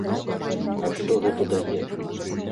А што гэта дае?